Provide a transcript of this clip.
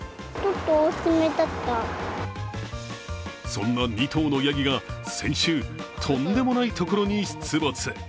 そんな２頭のやぎが先週、とんでもないところに出没。